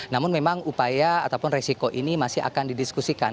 namun memang upaya ataupun resiko ini masih akan didiskusikan